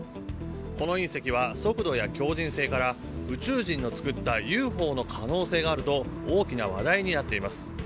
この隕石は、速度や強靭性から宇宙人の作ったＵＦＯの可能性があると大きな話題になっています。